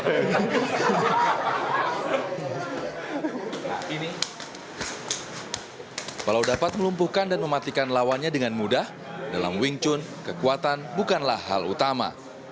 kalau dapat melumpuhkan dan mematikan lawannya dengan mudah dalam wing chun kekuatan bukanlah hal utama